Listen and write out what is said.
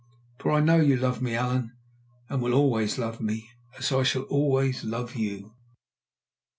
For I know you love me, Allan, and will always love me, as I shall always love you.